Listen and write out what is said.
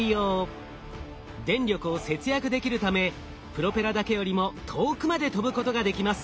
電力を節約できるためプロペラだけよりも遠くまで飛ぶことができます。